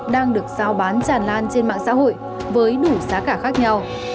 đang được giao bán tràn lan trên mạng xã hội với đủ giá cả khác nhau